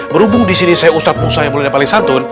berhubung disini saya ustaz puksa yang boleh dapati santun